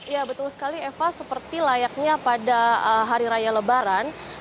ya betul sekali eva seperti layaknya pada hari raya lebaran